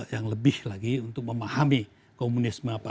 yang lebih lagi untuk memahami komunisme